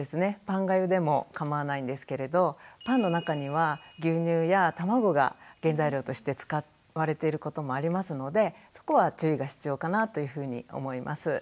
パンがゆでも構わないんですけれどパンの中には牛乳や卵が原材料として使われていることもありますのでそこは注意が必要かなというふうに思います。